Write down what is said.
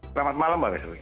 selamat malam mbak